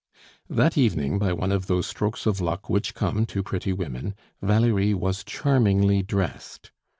That evening, by one of those strokes of luck which come to pretty women, Valerie was charmingly dressed.